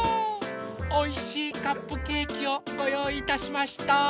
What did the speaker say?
おいしいカップケーキをごよういいたしました。